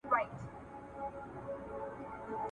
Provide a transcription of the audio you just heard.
پارلمان استخباراتي معلومات نه افشا کوي.